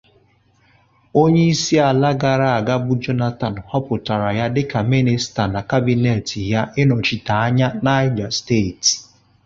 Onyeisiala gara-aga bụ Jonathan họpụtara ya dịka minista na kabịnet ya ịnọchite Niger steeti.